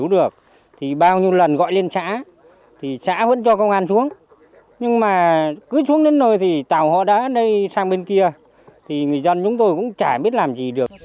do khai thác cát vẫn diễn ra hàng ngày